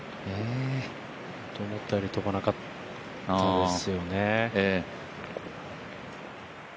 思ったより飛ばなかったですよね。